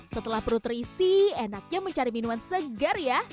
setelah perut terisi enaknya mencari minuman segar ya